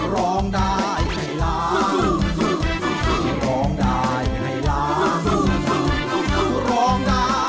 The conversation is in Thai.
ร้องได้ให้ร้าง